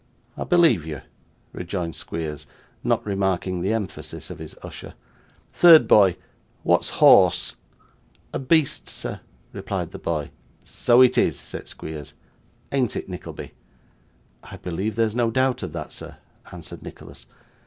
'I believe you,' rejoined Squeers, not remarking the emphasis of his usher. 'Third boy, what's horse?' 'A beast, sir,' replied the boy. 'So it is,' said Squeers. 'Ain't it, Nickleby?' 'I believe there is no doubt of that, sir,' answered Nicholas.